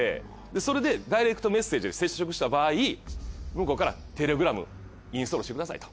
それでダイレクトメッセージで接触した場合向こうからテレグラムインストールしてくださいと。